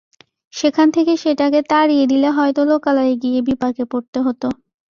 সেখান থেকে সেটাকে তাড়িয়ে দিলে হয়তো লোকালয়ে গিয়ে বিপাকে পড়তে হতো।